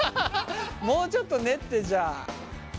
もうちょっと練ってじゃあ。